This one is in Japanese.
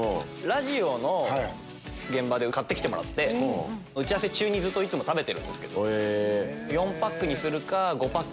ラジオの現場で買って来てもらって打ち合わせ中にずっといつも食べてるんですけど。